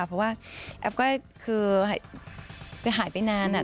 เพราะว่าแอฟก็คือหายไปนานอะ